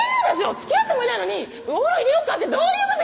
つきあってもいないのに「お風呂入れよっか」ってどういうこと？